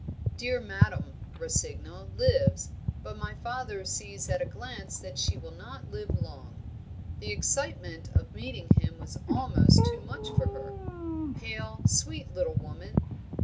Dear Madame Rossignol lives, but my father sees at a glance that she will not live long. The excitement of meeting him was almost too much for her pale, sweet little woman.